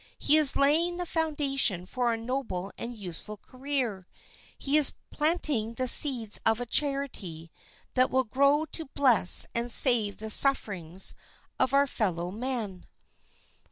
He is laying the foundation for a noble and useful career. He is planting the seeds of a charity that will grow to bless and save the sufferings of our fellow men.